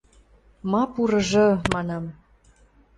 Ма пурыжы? – манам.